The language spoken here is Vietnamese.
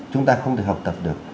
chúng ta không thể học tập được